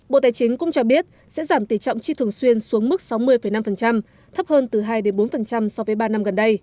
bộ tài chính cũng cho biết sẽ giảm tỷ trọng chi thường xuyên xuống mức sáu mươi năm thấp hơn từ hai bốn so với ba năm gần đây